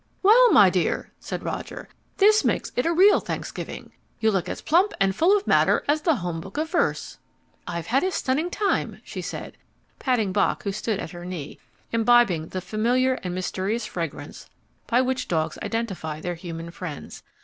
"Well, my dear," said Roger, "this makes it a real Thanksgiving. You look as plump and full of matter as The Home Book of Verse." "I've had a stunning time," she said, patting Bock who stood at her knee, imbibing the familiar and mysterious fragrance by which dogs identify their human friends.